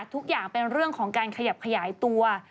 ทุกอย่างเป็นเรื่องของการขยับขยายตัว